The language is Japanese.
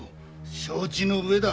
承知の上だ。